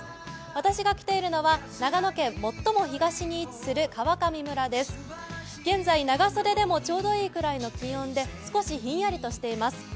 私が来ているのは、長野県最も東に位置する川上村です、現在、長袖でもちょうどいいくらいの気温で少しひんやりとしています。